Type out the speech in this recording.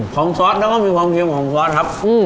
ซอสแล้วก็มีความเค็มของซอสครับ